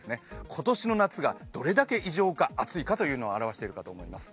今年の夏がどれだけ異常か、暑いかというのを表してるかと思います。